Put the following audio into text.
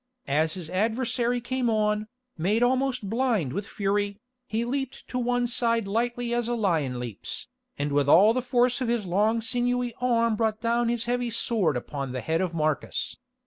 As his adversary came on, made almost blind with fury, he leapt to one side lightly as a lion leaps, and with all the force of his long sinewy arm brought down his heavy sword upon the head of Marcus.